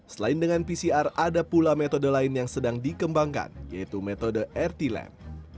selain dengan pcr ada pula metode lain yang sedang dikembangkan yaitu metode rt lab